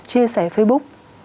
chia sẻ facebook